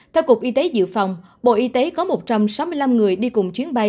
theo cục y tế dự phòng bộ y tế có một trăm sáu mươi năm người đi cùng chuyến bay